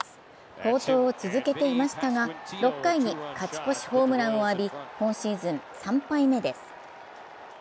好投を続けていましたが、６回に勝ち越しホームランを浴び今シーズン３敗目です。